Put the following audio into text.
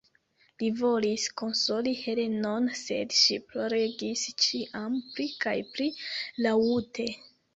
Li volis konsoli Helenon, sed ŝi ploregis ĉiam pli kaj pli laŭte.